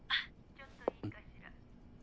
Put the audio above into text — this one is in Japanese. ・ちょっといいかしら。